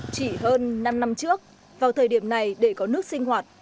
chỉ hơn năm năm trước vào thời điểm này để có nước sinh hoạt